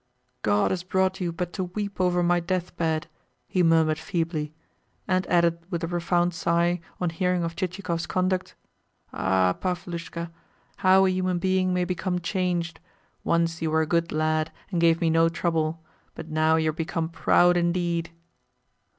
"God has brought you but to weep over my death bed," he murmured feebly; and added with a profound sigh, on hearing of Chichikov's conduct: "Ah, Pavlushka, how a human being may become changed! Once you were a good lad, and gave me no trouble; but now you are become proud indeed!"